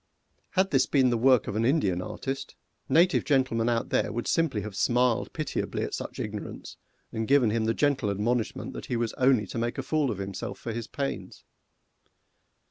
Had this been the work of an Indian artist, native gentlemen out there would simply have smiled pitiably at such ignorance, and given him the gentle admonishment that he was only to make a fool of himself for his pains.